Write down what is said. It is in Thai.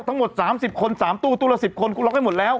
ทั้งหมด๓๐คน๓ตู้ตู้ละ๑๐คนกูล็อกให้หมดแล้ว